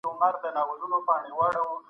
د ملي او نړيوال سياسي اقتصاد اړيکې وڅېړئ.